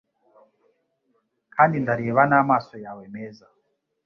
Kandi ndareba n'amaso yawe meza